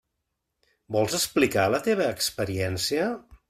Vols explicar la teva experiència?